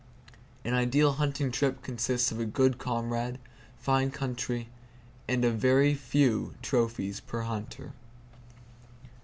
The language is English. An ideal hunting trip consists of a good comrade, fine country, and a very few trophies per hunter.